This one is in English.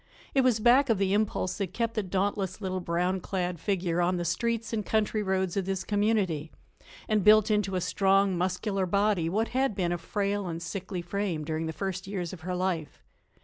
It was back of the impulse that kept the dauntless, little brown clad figure on the streets and country roads of this community and built into a strong, muscular body what had been a frail and sickly frame during the first years of her life.